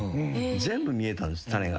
全部見えたんですタネが。